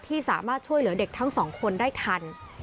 ที่สามารถช่วยเหลือเด็กทั้งสองคนได้ทัน